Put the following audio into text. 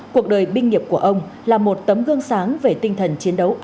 cuộc đời binh nghiệp của ông là một tấm gương sáng về tinh thần chiến đấu